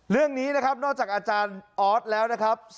เรื่องนี้นะครับนอกจากอาจารย์ออสแล้วนะครับ